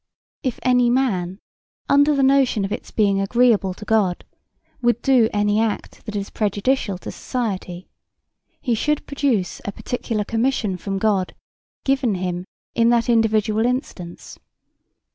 If any man, under the notion of its being agreeable to God, would do any act that is prejudicial to society, he should produce a particular commission from God given him in that individual instance.